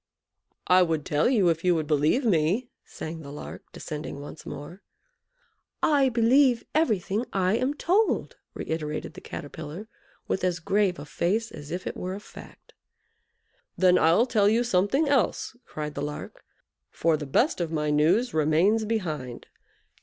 "I would tell you if you would believe me," sang the Lark, descending once more. "I believe everything I am told," reiterated the Caterpillar, with as grave a face as if it were a fact. "Then I'll tell you something else," cried the Lark; "for the best of my news remains behind.